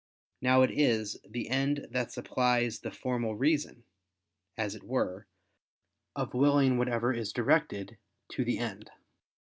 Now it is the end that supplies the formal reason, as it were, of willing whatever is directed to the end.